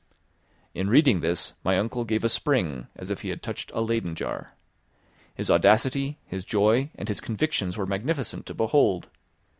In reading this, my uncle gave a spring as if he had touched a Leyden jar. His audacity, his joy, and his convictions were magnificent to behold.